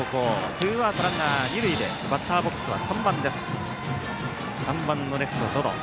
ツーアウトランナー、二塁でバッターボックスには３番のレフト、百々。